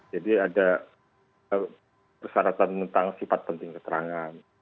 jadi ada persyaratan tentang sifat penting keterangan